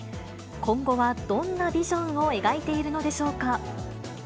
今後はどんなビジョンを描いているのでしょうか。